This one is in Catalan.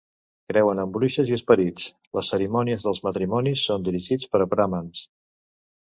Creuen en bruixes i esperits; les cerimònies dels matrimonis són dirigits per bramans.